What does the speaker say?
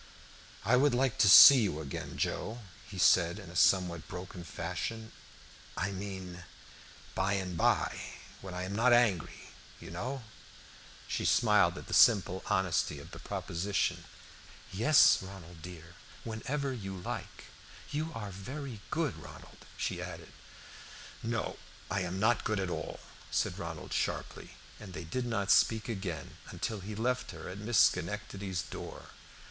"I would like to see you again, Joe," he said in a somewhat broken fashion. "I mean, by and by, when I am not angry, you know." Joe smiled at the simple honesty of the proposition. "Yes, Ronald dear, whenever you like. You are very good, Ronald," she added. "No, I am not good at all," said Ronald sharply, and they did not speak again until he left her at Miss Schenectady's door.